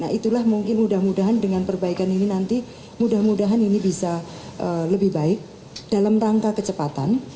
nah itulah mungkin mudah mudahan dengan perbaikan ini nanti mudah mudahan ini bisa lebih baik dalam rangka kecepatan